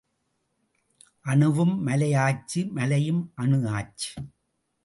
அணுவும் மலை ஆச்சு மலையும் அணு ஆச்சு